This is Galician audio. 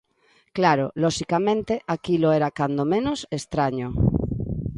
Claro, loxicamente, aquilo era cando menos estraño.